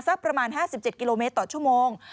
สักประมาณ๕๗กิโลเมตรต่อชั่วโมง